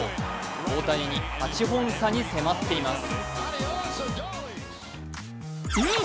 大谷に８本差に迫っています。